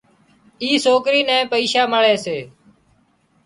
اِي سوڪرِي نين پئيشا مۯي سي